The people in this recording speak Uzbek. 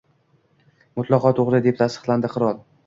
— Mutlaqo to‘g‘ri, — deb tasdiqladi qirol. —